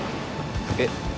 えっ。